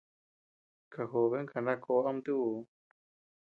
Kajoben kana koʼo ama tuu.